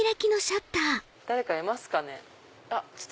誰かいますかね？